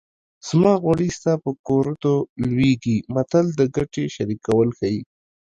زما غوړي ستا په کورتو لوېږي متل د ګټې شریکول ښيي